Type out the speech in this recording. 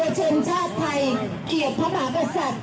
มึงลองติดคลิปเว้ย